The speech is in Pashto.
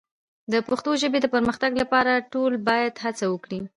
د پښتو ژبې د پرمختګ لپاره ټول باید هڅه وکړو.